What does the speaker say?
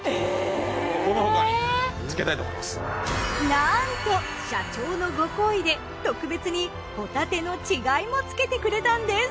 なんと社長のご厚意で特別にほたての稚貝も付けてくれたんです。